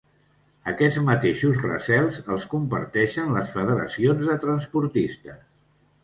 Aquests mateixos recels els comparteixen les federacions de transportistes.